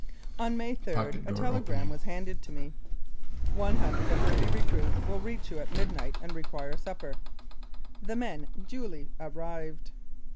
On May 3 a telegram was handed to me :" One hundred and thirty recruits will reach you at midnight, and require supper." The men duly arrived.